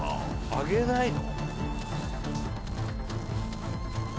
揚げないの？